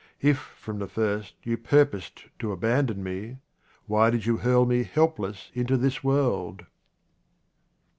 If from the first you purposed to abandon me, why did you hurl me helpless into this world